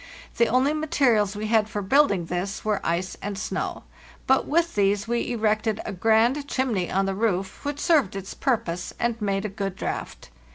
The only materials we had for buiiding this were ice and snow; but with these we erected a grand chimney on the roof, which served its purpose, and made a good draught.